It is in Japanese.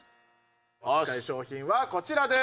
おつかい商品はこちらです。